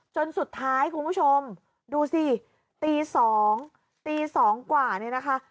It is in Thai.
จนสุดท้ายคุณผู้ชมดูสิตี๒ตี๒กว่าเนี่ยนะคะ